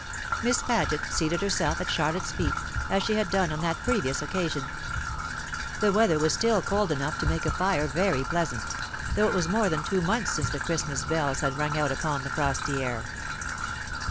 Miss Paget seated herself at Charlotte's feet, as she had done on that previous occasion. The weather was still cold enough to make a fire very pleasant, though it was more than two months since the Christmas bells had rung out upon the frosty air.